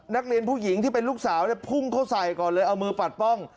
นักเรียนผู้หญิงที่เป็นลูกสาวเนี่ยพุ่งเข้าใส่ก่อนเลยเอามือปัดป้อง